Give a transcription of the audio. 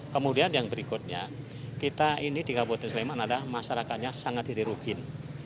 kemudian yang berikutnya kita ini di kabupaten sleman adalah masyarakatnya sangat ditirugin